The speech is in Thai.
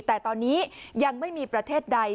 แต่ตอนนี้ยังไม่มีประเทศใด